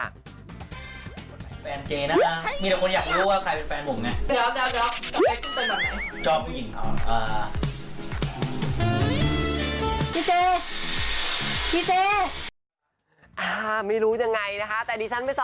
แฟนเจนะคะมีแต่คนอยากรู้ว่าใครเป็นแฟนผมไง